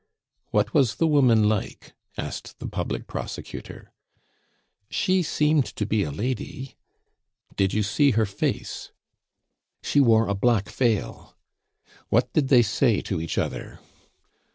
"What was the woman like?" asked the public prosecutor. "She seemed to be a lady." "Did you see her face?" "She wore a black veil." "What did they say to each other?"